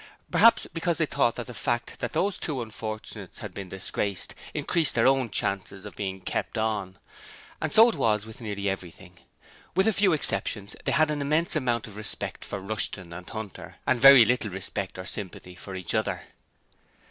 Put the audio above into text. Perhaps because they thought that the fact that these two unfortunates had been disgraced, increased their own chances of being 'kept on'. And so it was with nearly everything. With a few exceptions, they had an immense amount of respect for Rushton and Hunter, and very little respect or sympathy for each other.